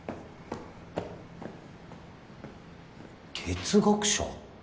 哲学者？